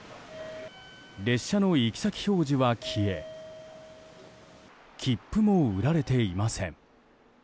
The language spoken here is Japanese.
列車の行き先表示は消え切符も売られていません。